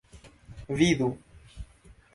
vidu